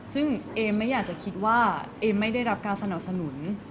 ซึ่งเอมไม่อยากจะคิดว่าเอมไม่ได้รับการสนับสนุน